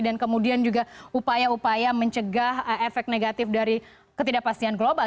dan kemudian juga upaya upaya mencegah efek negatif dari ketidakpastian global